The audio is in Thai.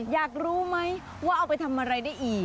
อยากรู้ไหมว่าเอาไปทำอะไรได้อีก